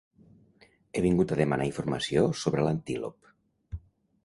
He vingut a demanar informació sobre l'antílop.